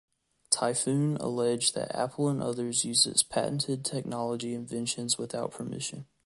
Typhoon alleged that Apple and others used its patented technology inventions without permission.